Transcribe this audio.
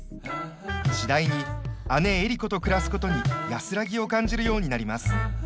次第に姉江里子と暮らすことに安らぎを感じるようになります。